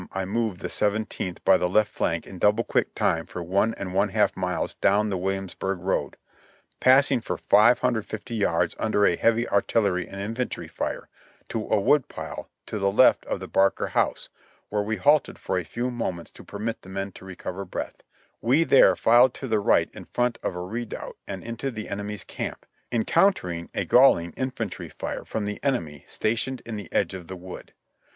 I moved the Seventeenth by the left flank in double quick time for one and one half miles down the Williamsburg road, passing for 500 yards under a heavy artillery and infantry fire to a wood pile to the left of the Barker house, when we halted for a few moments to permit the men to recover breath ; we there filed to the right in front of a redoubt and into the enemy's camp, encountering a galling infantr}^ fire from the enemy stationed in the edge of the wood.